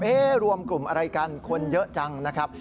รวมกลุ่มอะไรกันคนเยอะจังนะครับ